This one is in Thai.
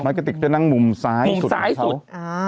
มันกะติกจะนั่งมุมซ้ายสุดของเขา